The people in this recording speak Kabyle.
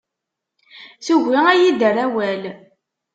Tugi ad iyi-d-terr awal.